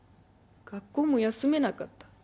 学校も休めなかった。